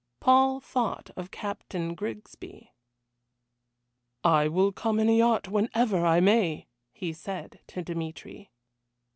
Paul thought of Captain Grigsby. "I will come in a yacht, whenever I may," he said to Dmitry.